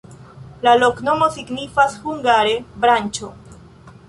La loknomo signifas hungare: branĉo.